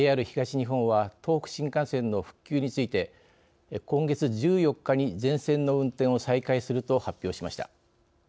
ＪＲ東日本は東北新幹線の復旧について今月１４日に全線の運転を再開すると発表しました。